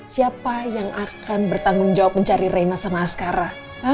siapa yang akan bertanggung jawab mencari reina sama askara